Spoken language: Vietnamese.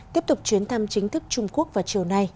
tiếp tục chuyến thăm chính thức trung quốc vào chiều nay